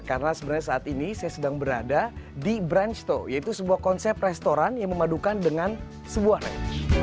karena sebenarnya saat ini saya sedang berada di branch toe yaitu sebuah konsep restoran yang memadukan dengan sebuah ranch